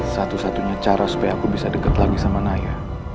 satu satunya cara supaya aku bisa dekat lagi sama naya